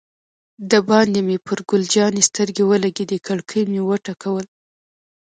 دباندې مې پر ګل جانې سترګې ولګېدې، کړکۍ مې و ټکول.